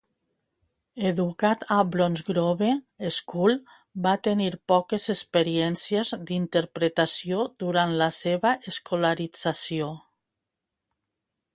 Educat a Bromsgrove School, va tenir poques experiències d'interpretació durant la seva escolarització.